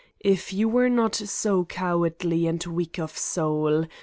If you were not so cowardly and weak of soul!